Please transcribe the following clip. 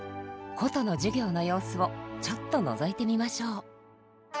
箏の授業の様子をちょっとのぞいてみましょう。